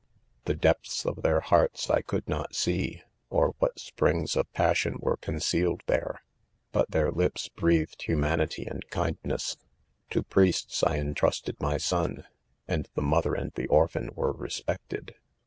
£ The depths of their hearts I could not see 9 or what; springs' of passion were concealed there, but their lips breathed humanity and kindness. . u, * To priests I entrusted my son, and the mo ther and' the orphan were respected.